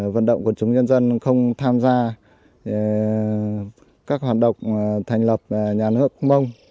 vận động quần chúng nhân dân không tham gia các hoạt động thành lập nhà nước mông